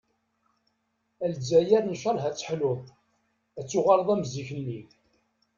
"A Lzzayer ncalleh ad teḥluḍ, ad tuɣaleḍ am zik-nni.